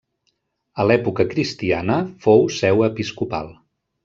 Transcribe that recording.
A l'època cristiana fou seu episcopal.